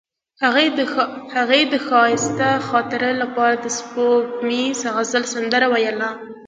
هغې د ښایسته خاطرو لپاره د سپوږمیز غزل سندره ویله.